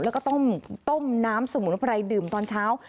แล้วก็ต้มน้ำสมุนไพรดื่มตอนเช้า